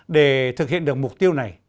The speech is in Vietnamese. để thực hiện được mục tiêu này